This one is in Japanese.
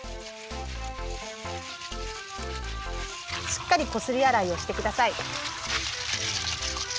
しっかりこすりあらいをしてください。